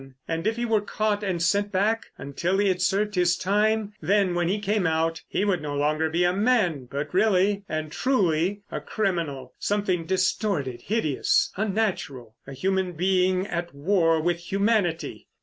And if he were caught and sent back until he had served his time, then, when he came out, he would no longer be a man but really and truly a criminal—something distorted, hideous, unnatural. A human being at war with humanity.